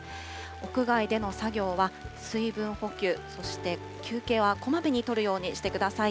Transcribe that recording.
屋外での作業は、水分補給、そして休憩はこまめにとるようにしてください。